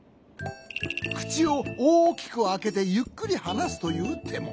くちをおおきくあけてゆっくりはなすというても。